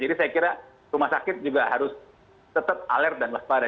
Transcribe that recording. jadi saya kira rumah sakit juga harus tetap alert dan waspada